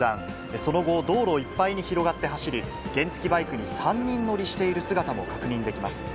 その後、道路をいっぱいに広がって走り、原付きバイクに３人乗りしている姿も確認できます。